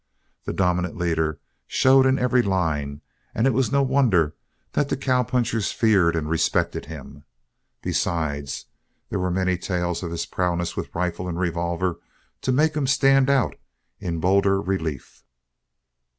The dominant leader showed in every line and it was no wonder that the cowpunchers feared and respected him. Besides, there were many tales of his prowess with rifle and revolver to make him stand out in bolder relief.